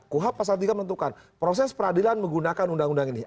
kuhab pasal tiga menentukan proses peradilan menggunakan undang undang ini